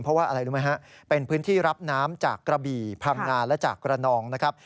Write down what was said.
เพราะว่าเป็นพื้นที่รับน้ำจากกระบี่พังงาและจากกระนองนะครับ